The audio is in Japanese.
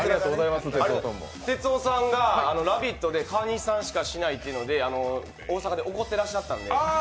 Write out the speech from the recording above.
哲夫さんが「ラヴィット！」で川西さんしかしないと大阪で怒ってらっしゃったので。